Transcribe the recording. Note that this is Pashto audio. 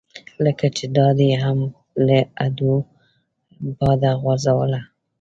لکه چې دا دې هم له ادو باده غورځوله.